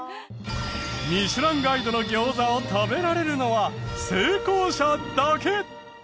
『ミシュランガイド』の餃子を食べられるのは成功者だけ！